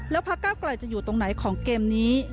แล้วพักเก้าไกลจะอยู่ตรงไหนของเกมนี้